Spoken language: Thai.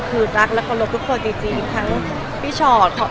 คือรักและเคารพทุกคนจริงทั้งพี่ชอต